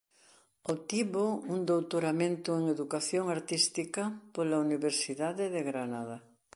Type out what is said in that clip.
Obtivo un doutoramento en Educación Artística pola Universidade de Granada.